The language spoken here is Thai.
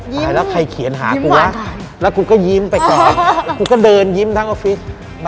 ยิ้มหวานค่ะแล้วใครเขียนหากูวะแล้วกูก็ยิ้มไปก่อนกูก็เดินยิ้มทั้งออฟฟิศ